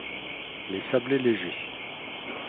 les sablés légers